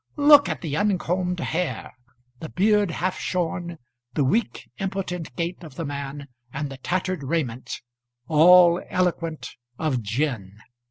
Look at the uncombed hair, the beard half shorn, the weak, impotent gait of the man, and the tattered raiment, all eloquent of gin!